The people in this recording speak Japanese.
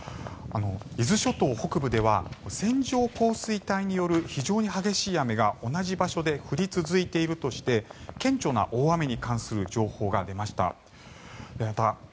伊豆諸島北部では線状降水帯による非常に激しい雨が同じ場所で降り続いているとして顕著な大雨に関する情報が出ました。